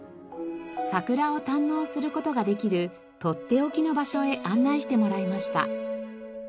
桜を堪能する事ができるとっておきの場所へ案内してもらいました。